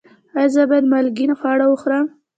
ایا زه باید مالګین خواړه وخورم؟